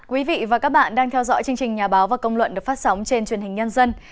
quý vị và các bạn đang theo dõi chương trình nhà báo và công luận được phát sóng trên truyền hình nhân dân